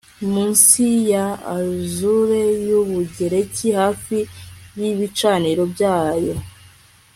Munsi ya azure yUbugereki hafi yibicaniro byayo